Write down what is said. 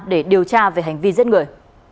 để điều tra về hành vi giết người